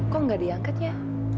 kok nggak diangkatnya